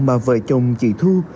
mà vợ chồng chị thu